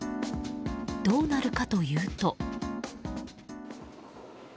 どうなるかというと。